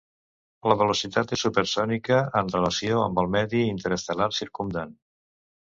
La velocitat és supersònica en relació amb el medi interestel·lar circumdant.